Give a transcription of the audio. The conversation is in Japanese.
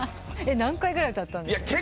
何回ぐらい歌ったんですか？